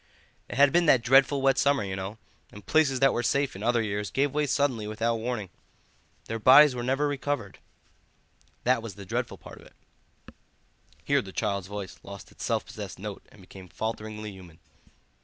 It had been that dreadful wet summer, you know, and places that were safe in other years gave way suddenly without warning. Their bodies were never recovered. That was the dreadful part of it." Here the child's voice lost its self possessed note and became falteringly human.